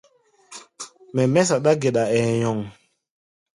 Mɛ mɛ́ saɗá-geɗa, ɛɛ nyɔŋ.